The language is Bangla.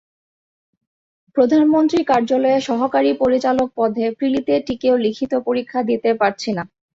প্রধানমন্ত্রীর কার্যালয়ে সহকারী পরিচালক পদে প্রিলিতে টিকেও লিখিত পরীক্ষা দিতে পারছি না।